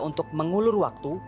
untuk mengulur waktu